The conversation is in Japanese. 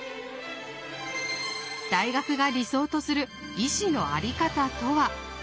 大学が理想とする医師のあり方とは？